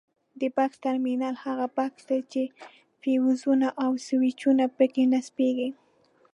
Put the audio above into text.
د بکس ټرمینل هغه بکس دی چې فیوزونه او سویچونه پکې نصبیږي.